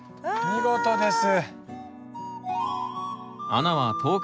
見事です。